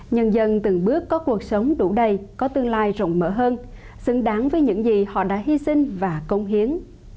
nhân dân từng bước có cuộc sống đủ đầy có tương lai rộng mở hơn xứng đáng với những gì họ đã hy sinh và công hiến